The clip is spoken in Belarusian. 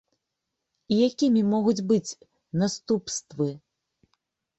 І якімі могуць быць наступствы?